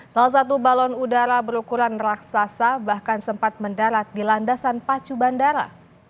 salah satu balon udara berukuran raksasa bahkan sempat mendarat di landasan pacu bandara